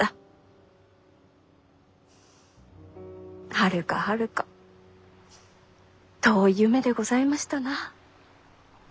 はるかはるか遠い夢でございましたなあ。